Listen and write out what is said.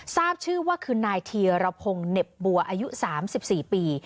ทราบชื่อว่าคือนายธีรพงศ์เหน็บบัวอายุ๓๔ปี